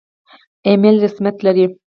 ایمیل رسمیت لري؟